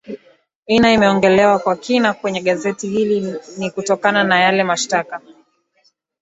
ina imeongolewa kwa kina kwenye gazeti hili ni kutokana na yale mashtaka